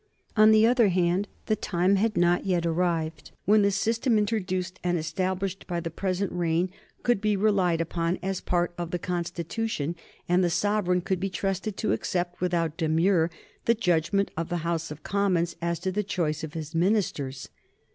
On the other hand, the time had not yet arrived when the system introduced and established by the present reign could be relied upon as part of the Constitution, and the sovereign could be trusted to accept, without demur, the judgment of the House of Commons as to the choice of his ministers.